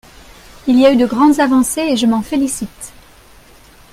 Il y a eu de grandes avancées, et je m’en félicite.